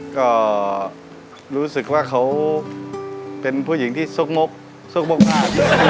ก็รู้สึกว่าเขาเป็นผู้หญิงที่ซุกงกซุกมกราด